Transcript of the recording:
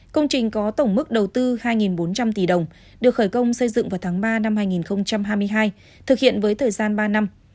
công trình có tổng mức đầu tư hai bốn trăm linh tỷ đồng được khởi công xây dựng vào tháng ba năm hai nghìn hai mươi hai thực hiện với thời gian ba năm